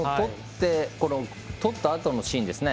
とったあとのシーンですね。